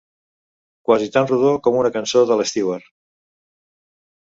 Quasi tan rodó com una cançó de l'Stweart.